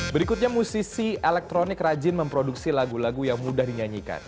berikutnya musisi elektronik rajin memproduksi lagu lagu yang mudah dinyanyikan